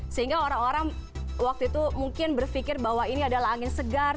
sehingga orang orang waktu itu mungkin berpikir bahwa ini adalah angin segar